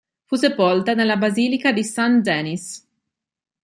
Fu sepolta nella Basilica di Saint Denis.